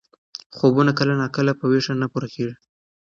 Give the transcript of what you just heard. خوبونه کله ناکله په ویښه نه پوره کېږي.